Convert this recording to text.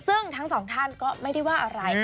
ซึ่งทั้งสองท่านก็ไม่ได้ว่าอะไร